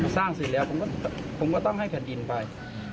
สร้างเสร็จแล้วผมก็ต้องให้แผ่นดินไป